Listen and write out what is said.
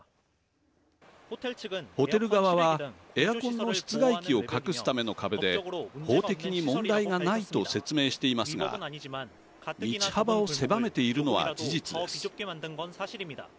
ホテル側は、エアコンの室外機を隠すための壁で法的に問題がないと説明していますが道幅を狭めているのは事実です。